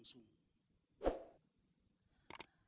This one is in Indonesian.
tapi saya tidak melihat secara langsung